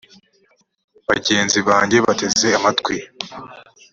bagenzi banjye bateze amatwi